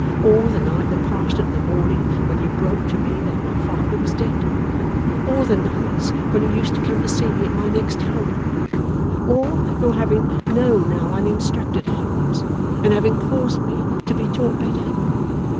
Or, the night that passed into the morning when you broke to me that my father was dead? Or, the nights when you used to come to see me at my next home? Or, your having known how uninstructed I was, and having caused me to be taught better?